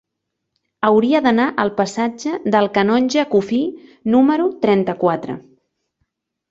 Hauria d'anar al passatge del Canonge Cuffí número trenta-quatre.